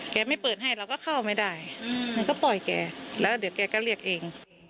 ไม่เปิดให้เราก็เข้าไม่ได้มันก็ปล่อยแกแล้วเดี๋ยวแกก็เรียกเอง